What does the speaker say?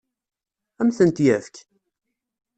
Ad m-tent-yefk?